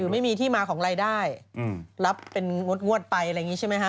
ไม่มีที่มาของรายได้รับเป็นงวดไปอะไรอย่างนี้ใช่ไหมฮะ